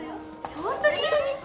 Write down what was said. ・ホントに？